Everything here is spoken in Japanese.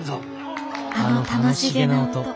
あの楽しげな音。